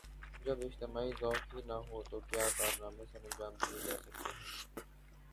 جب اجتماعی ذوق ہی نہ ہو تو کیا کارنامے سرانجام دئیے جا سکتے ہیں۔